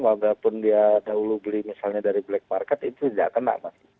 walaupun dia dahulu beli misalnya dari black market itu tidak kena mas